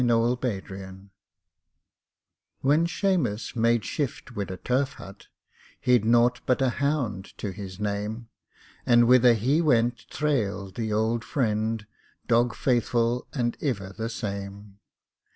THE OULD HOUND When Shamus made shift wid a turf hut He'd naught but a hound to his name; And whither he went thrailed the ould friend, Dog faithful and iver the same!